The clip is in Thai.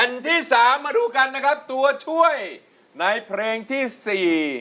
ที่สามมาดูกันนะครับตัวช่วยในเพลงที่สี่